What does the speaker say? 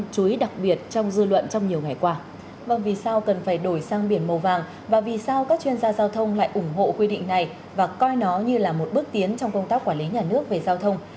các chuyên gia giao thông lại ủng hộ quy định này và coi nó như là một bước tiến trong công tác quản lý nhà nước về giao thông